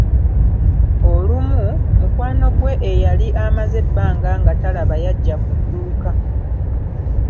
Olumu, mukwano gwe eyali amaze ebbanga nga talaba yajja ku dduuka.